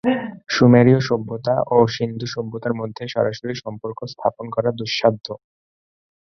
সুমেরীয় সভ্যতা ও সিন্ধু সভ্যতার মধ্যে সরাসরি সম্পর্ক স্থাপন করা দুঃসাধ্য।